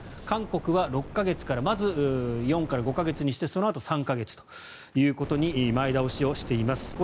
韓国は６か月からまず４から５か月にしてそのあと３か月ということに前倒しをしています。